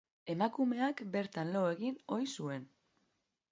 Emakumeak bertan lo egin ohi zuen.